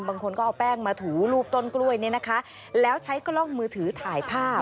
บางคนก็เอาแป้งมาถูรูปต้นกล้วยเนี่ยนะคะแล้วใช้กล้องมือถือถ่ายภาพ